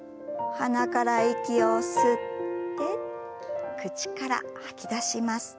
鼻から息を吸って口から吐き出します。